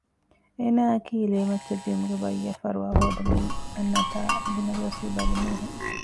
އޭނާއަކީ ލޭމައްޗަށް ދިއުމުގެ ބައްޔަށް ފަރުވާހޯދަމުން އަންނަތާ ގިނަ ދުވަސްވީ ބަލިމީހެއް